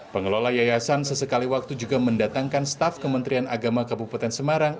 pengelola yayasan sesekali waktu juga mendatangkan staf kementerian agama kabupaten semarang